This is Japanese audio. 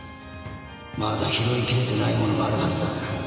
まだ拾いきれてないものがあるはずだ。